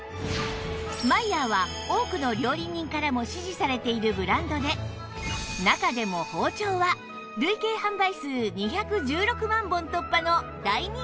マイヤーは多くの料理人からも支持されているブランドで中でも包丁は累計販売数２１６万本突破の大人気シリーズ